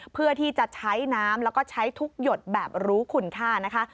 เพื่อที่จะใช้น้ำแล้วก็ใช้ทุกหยดแบบรู้คุณค่านะคะ